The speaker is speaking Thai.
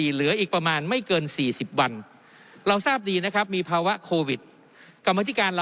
เหลืออีกประมาณไม่เกิน๔๐วัน